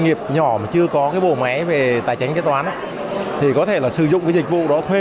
nghiệp nhỏ mà chưa có cái bộ máy về tài tránh kế toán thì có thể là sử dụng cái dịch vụ đó thuê